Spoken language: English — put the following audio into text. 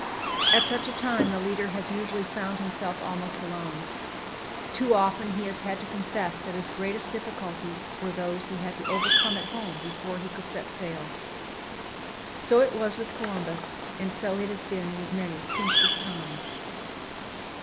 At such a time the leader has usually found himself almost alone; too often he has had to confess that his greatest difficulties were those he had to overcome at home before he could set sail. So it was with Columbus, and so it has been with many since his time.